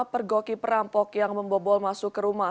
pergoki perampok yang membobol masuk ke rumah